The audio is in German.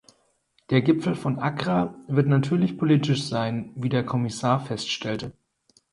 Der Gipfel von Accra wird natürlich politisch sein, wie der Kommissar feststellte.